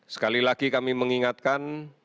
sekali lagi kami mengingatkan